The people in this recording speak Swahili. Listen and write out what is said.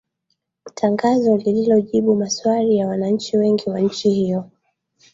tangazo lililio jibu maswali ya wananchi wengi wa nchi hiyo